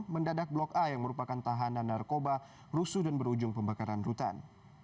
mendadak blok a yang merupakan tahanan narkoba rusuh dan berujung pembakaran rutan